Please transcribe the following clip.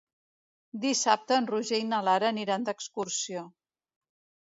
Dissabte en Roger i na Lara aniran d'excursió.